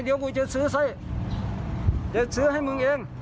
เดี๋ยวกูจะซื้อให้มึงเอง